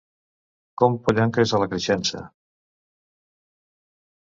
Com pollancres a la creixença;